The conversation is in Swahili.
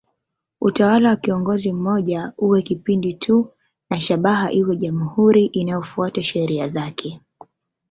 Utawala wa kiongozi mmoja uwe kipindi tu na shabaha iwe jamhuri inayofuata sheria zake.